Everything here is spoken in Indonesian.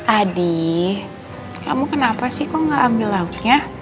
adi kamu kenapa sih kok gak ambil lauknya